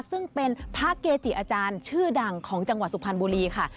ซึ่งเป็นพระเกจิอาจารย์ชื่อดังของจังหวัดสุพรรณบุรีค่ะ